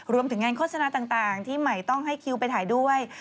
รวมถึงงานโฆษณาต่างที่ใหม่ต้องให้คิวไปถ่ายด้วย